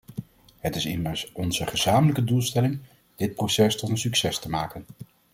Het is immers onze gezamenlijke doelstelling dit proces tot een succes te maken.